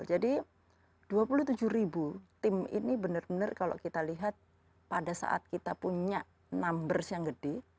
jadi dua puluh tujuh tim ini benar benar kalau kita lihat pada saat kita punya numbers yang gede